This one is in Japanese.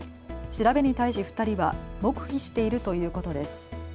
調べに対し２人は黙秘しているということです。